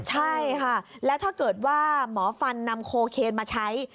ใช่ค่ะแล้วถ้าเกิดว่าหมอฟันนำโคเคนมาใช้